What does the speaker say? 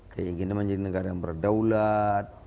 keinginan menjadi negara yang berdaulat